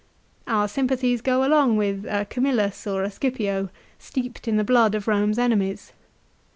Our sympathies go along with a Camillus or a Scipio steeped in the blood of Rome's enemies.